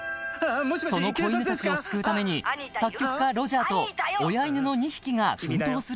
［その子犬たちを救うために作曲家ロジャーと親犬の２匹が奮闘するんですが］